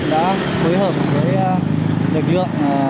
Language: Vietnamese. đã phối hợp với lực lượng